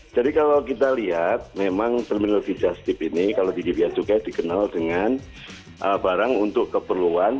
jadi kalau kita lihat memang terminologi just tip ini kalau di bncukai dikenal dengan barang untuk keperluan